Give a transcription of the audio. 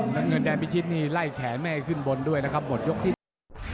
น้ำเงินแดงพิชิตนี่ไล่แขนแม่ขึ้นบนด้วยนะครับหมดยกที่หนึ่ง